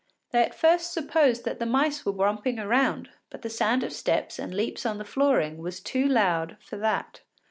They at first supposed that the mice were romping round, but the sound of steps and leaps on the flooring was too loud for that.